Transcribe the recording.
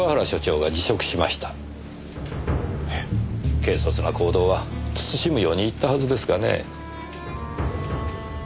軽率な行動は慎むように言ったはずですがねえ。